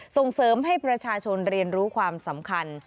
ส่งเสริมให้ประชาชนเรียนรู้ความสำคัญ